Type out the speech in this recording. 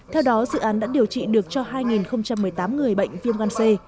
theo đó dự án đã điều trị được cho hai một mươi tám người bệnh viêm gan c